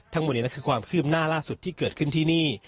ทั้งหมดนี้คือความคืบหน้าล่าสุดที่เกิดขึ้นที่นี่